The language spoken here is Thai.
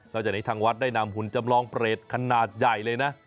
จากนี้ทางวัดได้นำหุ่นจำลองเปรตขนาดใหญ่เลยนะ